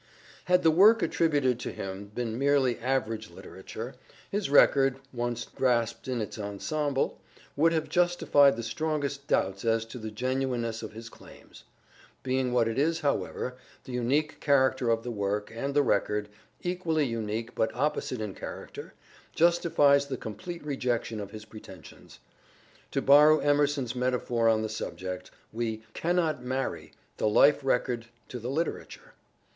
Had the work attributed to him been merely average literature, his record, once grasped in its ensemble, would have justified the strongest doubts as to the genuineness of his claims. Being what it is, however, THE STRATFORDIAN VIEW 89 the unique character of the work, and the record, equally unique but opposite in character, justifies the complete rejection of his pretensions. To borrow Emerson's metaphor on the subject, we " cannot marry " the life record to the literature.